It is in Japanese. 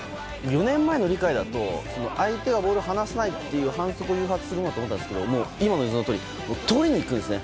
４年前の理解だと相手がボールを離さないという反則を誘発するものだと思ったんですけど今の映像のとおりとりに行くんですね。